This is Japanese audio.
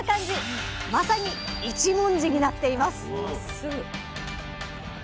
まさに一文字になっています